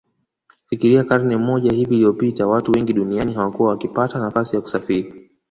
Fikiria karne moja hivi iliyopita watu wengi duniani hawakuwa wakipata nafasi ya kusafiri